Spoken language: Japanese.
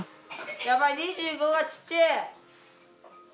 やばい２５がちっちぇ！